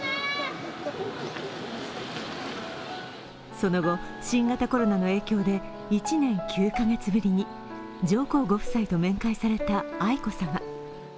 その後、新型コロナの影響で１年９カ月ぶりに上皇ご夫妻と面会された愛子さま。